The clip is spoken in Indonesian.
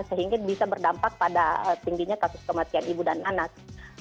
sehingga bisa berdampak pada tingginya kasus kematian ibu dan anak